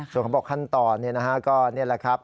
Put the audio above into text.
ส่วนเป็นขั้นต่อนี่แหละครับ